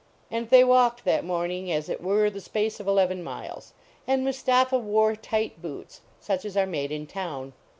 And they walked that morning as it were the space of eleven miles. And Mustapha wore tight boots, such as are made in town.